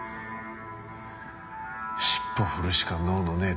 尻尾振るしか能のねえ